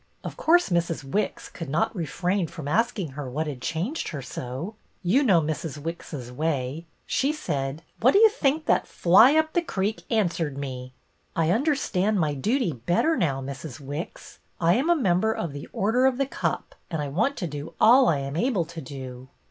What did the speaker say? Of course Mrs. Wicks could not refrain from asking her what had changed her so. You know Mrs. Wicks's way. She said, ' What do you think that fly up the creek answered me.? "I un derstand my duty better now, Mrs. Wicks. I am a member of the Order of The Cup and I want to do all I am able to do."